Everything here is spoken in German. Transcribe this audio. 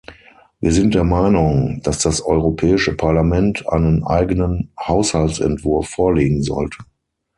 Wir sind der Meinung, dass das Europäische Parlament einen eigenen Haushaltsentwurf vorlegen sollte.